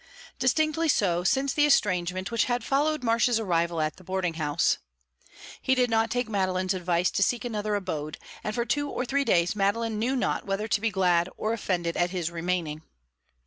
Distinctly so since the estrangement which had followed Marsh's arrival at the boarding house. He did not take Madeline's advice to seek another abode, and for two or three days Madeline knew not whether to be glad or offended at his remaining.